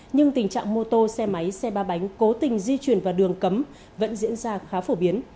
nhưng tình trạng mô tô xe máy xe ba bánh cố tình di chuyển vào đường cấm vẫn diễn ra khá phổ biến